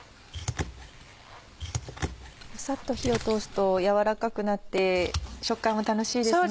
サッと火を通すと軟らかくなって食感も楽しいですね。